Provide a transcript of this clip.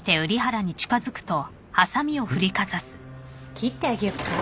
切ってあげようか？